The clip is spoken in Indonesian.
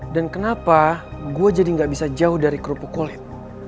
dan kenapa gua jadi nggak bisa jauh dari kerupuk kulit